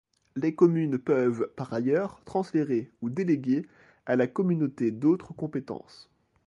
Les communes peuvent, par ailleurs, transférer ou déléguer à la communauté d'autres compétences.